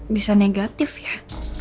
bisa negatif ya